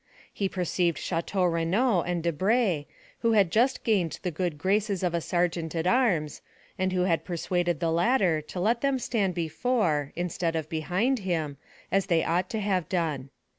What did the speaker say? He perceived Château Renaud and Debray, who had just gained the good graces of a sergeant at arms, and who had persuaded the latter to let them stand before, instead of behind him, as they ought to have done.